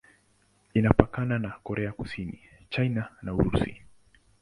Imepakana na Korea Kusini, China na Urusi.